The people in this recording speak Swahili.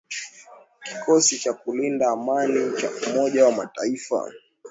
kikosi cha kulinda amani cha umoja wa mataifa